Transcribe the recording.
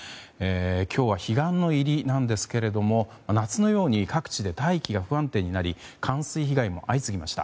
今日は彼岸の入りなんですが夏のように各地で大気が不安定になり冠水被害も相次ぎました。